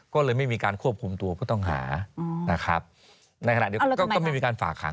ก็เลยไม่มีการควบคุมตัวผู้ต้องหานะครับในขณะเดียวกันก็ไม่มีการฝากหาง